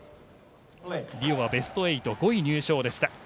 リオはベスト８、５位入賞でした。